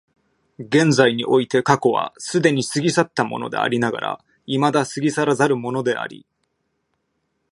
現在において過去は既に過ぎ去ったものでありながら未だ過ぎ去らざるものであり、